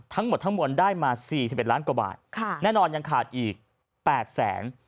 ทั้งหมดทั้งมวลได้มา๔๑ล้านกว่าบาทแน่นอนยังขาดอีก๘แสน